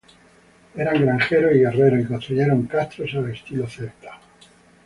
Eran granjeros y guerreros y construyeron castros al estilo celta.